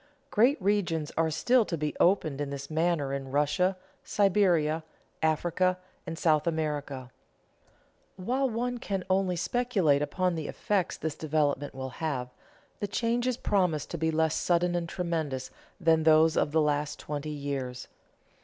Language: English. Great regions are still to be opened in this manner in Russia, Siberia, Africa, and South America. While one can only speculate upon the effects this development will have, the changes promise to be less sudden and tremendous than those of the last twenty years.